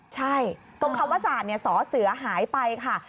ใช่ตรงคำวัศาสตร์เนี่ยซอเสือหายไปค่ะ